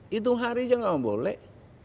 hitung hari saja tidak boleh